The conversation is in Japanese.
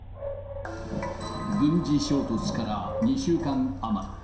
軍事衝突から２週間余り。